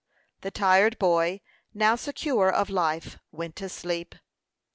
The tired boy, now secure of life, went to sleep.